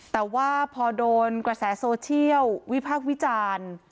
แต่ว่าพอโดนกระแสโซเชียลวิพากษ์วิจารณ์